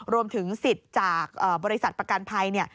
รวมถึงสิทธิ์จากบริษัทประกันภัยเนี่ย